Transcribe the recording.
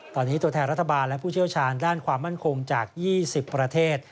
ตอนนี้ตัวแทนรัฐบาลและผู้เชี่ยวชาญด้านความมั่นคงจาก๒๐ประเทศ